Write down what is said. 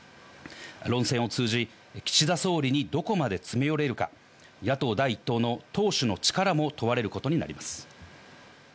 論戦を通じ岸田総理にどこまで詰め寄れるか、野党第一党の党首の力も問われることになります。